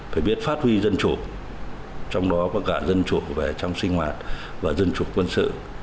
phải biết phát huy dân chủ trong đó có cả dân chủ về trong sinh hoạt và dân chủ quân sự